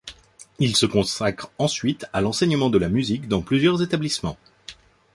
Il se consacre ensuite à l'enseignement de la musique dans plusieurs établissements.